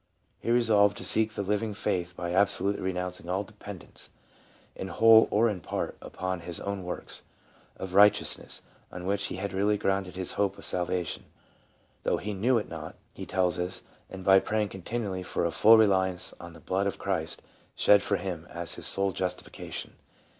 He resolved to seek the living faith by ab solutely renouncing all dependence, in whole or in part, upon his own works of righteousness, on which he had really grounded his hope of salvation, though he knew it not, he tells us ; and by praying continually for a full reliance on the blood of Christ shed for him as his sole justification.